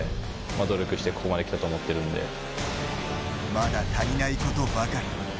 まだ足りないことばかり。